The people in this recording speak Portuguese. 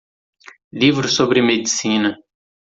Livros sobre medicina.